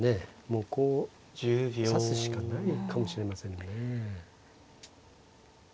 もうこう指すしかないかもしれませんね。